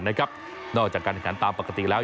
นอกจากการแข่งขันตามปกติแล้ว